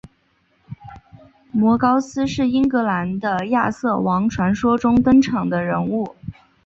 摩高斯是英格兰的亚瑟王传说中登场的人物。